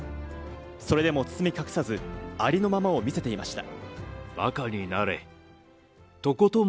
それでも包み隠さず、ありのままを見せていました。